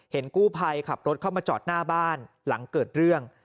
กู้ภัยขับรถเข้ามาจอดหน้าบ้านหลังเกิดเรื่อง